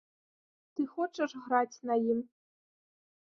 Ты хочаш граць на ім?